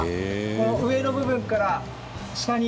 この上の部分から下に。